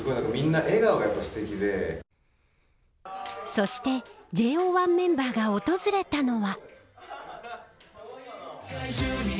そしてＪＯ１メンバーが訪れたのは。